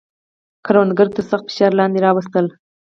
کروندګر یې تر سخت فشار لاندې راوستل.